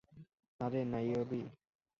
আরে, নাইয়োবি!